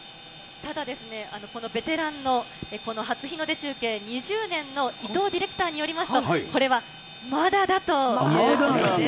ただですね、このベテランのこの初日の出中継２０年のいとうディレクターによりますと、これはまだだということなんです。